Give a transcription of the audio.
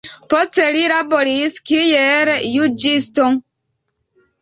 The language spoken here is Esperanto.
Poste li laboris kiel juĝisto.